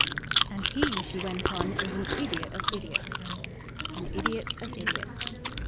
"And HE," she went on, "is an idiot of idiots." "An idiot of idiots."